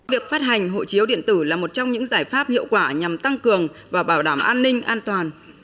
việc phát hành hộ chiếu điện tử là một trong những giải pháp hiệu quả nhằm tăng cường và bảo đảm an ninh an toàn